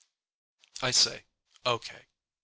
I say, "O.K."